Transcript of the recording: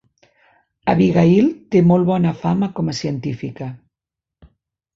Abigail té molt bona fama com a científica.